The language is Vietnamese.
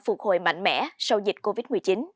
phục hồi mạnh mẽ sau dịch covid một mươi chín